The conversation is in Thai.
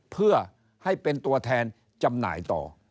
เพื่อให้เป็นตัวแทนจำหน่ายต่อ